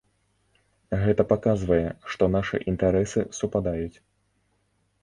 Гэта паказвае, што нашы інтарэсы супадаюць.